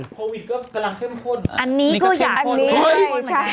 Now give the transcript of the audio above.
โควิดก็กำลังเข้มข้นอันนี้ก็อยาก